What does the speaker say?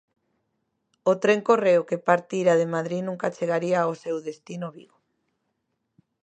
O tren correo que partira de Madrid nunca chegaría ao seu destino, Vigo.